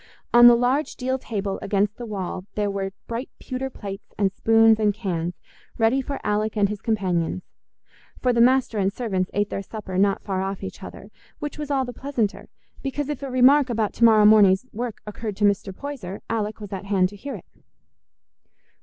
On the large deal table against the wall there were bright pewter plates and spoons and cans, ready for Alick and his companions; for the master and servants ate their supper not far off each other; which was all the pleasanter, because if a remark about to morrow morning's work occurred to Mr. Poyser, Alick was at hand to hear it.